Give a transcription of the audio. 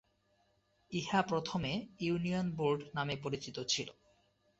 ইহা প্রথমে union board নামে পরিচিত ছিল।